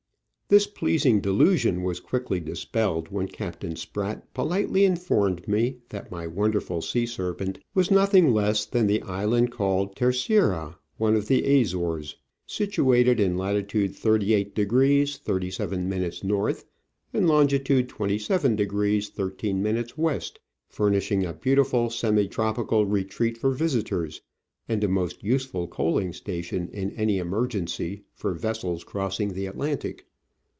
This pleasing delusion was quickly dis pelled when Captain Spratt politely informed me that my wonderful sea serpent w^as nothing less than the island called Terceira, one of the Azores, situated in Lat, 38 deg. I'j min. N., and Long. 27deg. 13 min. W., furnishing a beautiful semi tropical retreat for visitors, and a most useful coaling station in any emergency for vessels crossing the Atlantic.